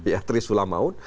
ya trisula maut